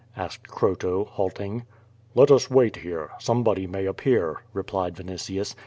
asked Croto, halting. "Let us wait here; somebody may appear," replied Vinitius.